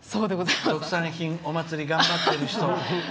特産品、お祭り頑張っていて。